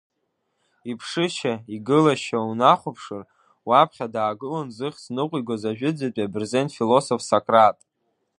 Иԥшышьа, игылашьа унахәаԥшыр, уаԥхьа даагылон зыхьӡ ныҟәигоз ажәытәӡатәи абырзен философ Сократ.